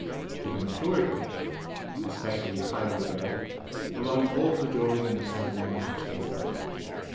To the matured cat, especially if highly bred, belong all the joys and excitement of the chase a field.